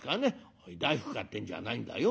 「おい大福買ってんじゃないんだよ。